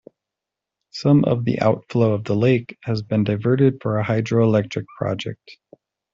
Some of the outflow of the lake has been diverted for a hydroelectric project.